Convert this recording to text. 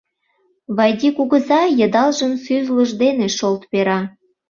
Вайди кугыза йыдалжым сӱзлыж дене шолт пера.